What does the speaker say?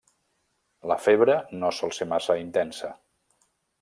La febre no sol ser massa intensa.